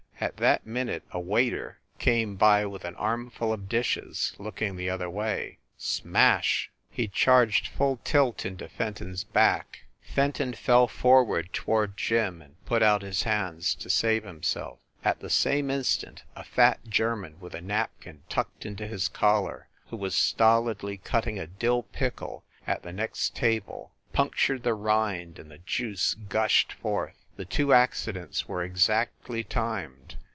At that minute a waiter came by with an armful of dishes, looking the other way. Smash! he charged full tilt into Fenton s i66 FIND THE WOMAN back. Fenton fell forward toward Jim, and put out his hands to save himself. At the same instant, a fat German with a napkin tucked into his collar, who was stolidly cutting a dill pickle at the next table, punctured the rind, and the juice gushed forth. The two accidents were exactly timed.